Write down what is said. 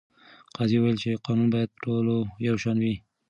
قاضي وویل چې قانون باید په ټولو یو شان وي.